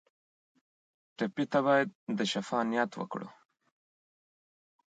ټپي ته باید د شفا نیت وکړو.